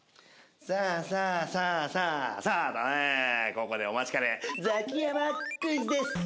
ここでお待ちかねザキヤマクイズです。